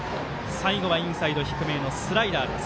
最後はインサイド低めのスライダー。